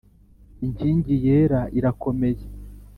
Inkingi yera irakomeye.